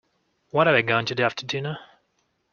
What are we going to do after dinner?